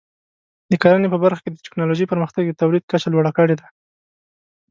د کرنې په برخه کې د ټکنالوژۍ پرمختګ د تولید کچه لوړه کړې ده.